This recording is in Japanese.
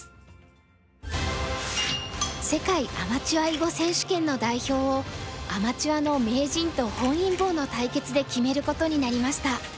世界アマチュア囲碁選手権の代表をアマチュアの名人と本因坊の対決で決めることになりました。